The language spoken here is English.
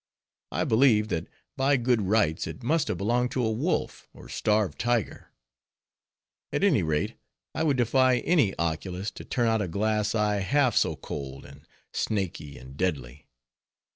I believe, that by good rights it must have belonged to a wolf, or starved tiger; at any rate, I would defy any oculist, to turn out a glass eye, half so cold, and snaky, and deadly.